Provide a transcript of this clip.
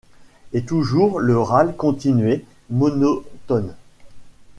Et toujours le râle continuait, monotone.